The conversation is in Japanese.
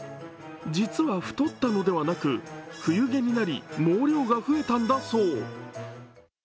実は太ったのではなく、冬毛になり毛量が増えたんだそう。